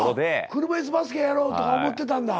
車椅子バスケやろうとか思ってたんだ。